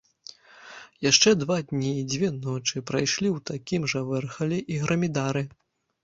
Яшчэ два дні і дзве ночы прайшлі ў такім жа вэрхале і гармідары.